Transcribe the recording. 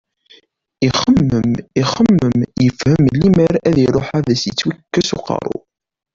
Ixemmem, ixemmem, yefhem limer ad iruḥ ad as-yettwikkes uqerru.